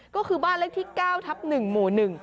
ก็คือบ้านเลขที่๙ทับ๑หมู่๑